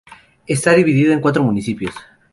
Está dividida en cuatro municipios.